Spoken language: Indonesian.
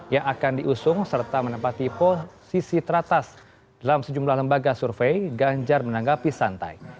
yang akan diusung serta menempati posisi teratas dalam sejumlah lembaga survei ganjar menanggapi santai